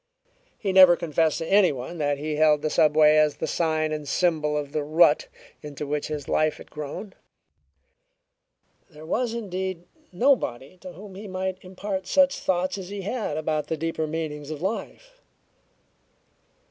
He never confessed to anyone that he held the subway as the sign and symbol of the rut into which his life had grown. There was, indeed, nobody to whom he might impart such thoughts as he had about the deeper meanings of life.